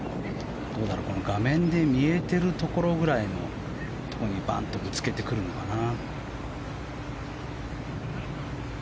画面で見えているところぐらいのところにバンとぶつけてくるのかな。